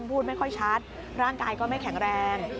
พูดไม่ค่อยชัดร่างกายก็ไม่แข็งแรง